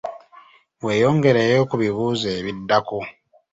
Weeyongereyo ku bibuuzo ebiddako.